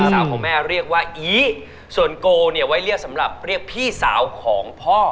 สาวของแม่เรียกว่าอีส่วนโกเนี่ยไว้เรียกสำหรับเรียกพี่สาวของพ่อ